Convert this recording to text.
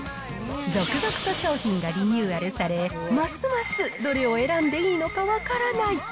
続々と商品がリニューアルされ、ますますどれを選んでいいのか分からない。